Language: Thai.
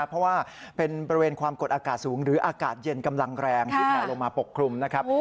เพราะว่าเป็นบริเวณความกดอากาศสูงหรืออากาศเย็นกำลังแรงที่แผลลงมาปกคลุมนะครับ